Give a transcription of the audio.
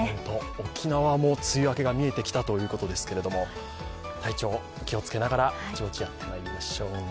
沖縄も梅雨明けが見えてきたというわけですけれども体調、気をつけながらぼちぼちやってまいりましょう。